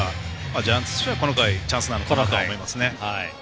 ジャイアンツとしてはこの回、チャンスなのかなと思いますね。